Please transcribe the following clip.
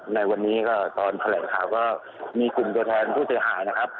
ในวันนี้ก็ตอนแถลงข่าวก็มีกลุ่มตัวแทนผู้เสียหายนะครับ